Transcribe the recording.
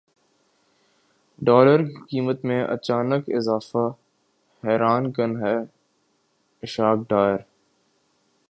dollar کی قیمت میں اچانک اضافہ حیران کن ہے اسحاق ڈار